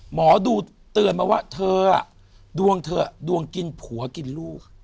หมอดูเตือนมาว่าเธอดวงเธอดวงกินผัวกินลูก